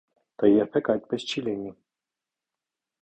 Դա երբեք այդպես չի լինի։